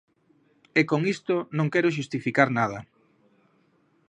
e con isto non quero xustificar nada.